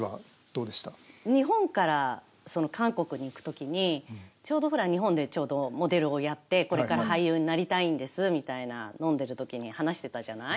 日本から韓国に行くときに、ちょうどほら、日本でモデルをやって、これから俳優になりたいんですみたいな、飲んでるときに話してたじゃない？